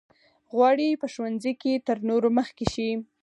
غواړي په ښوونځي کې تر نورو مخکې شي.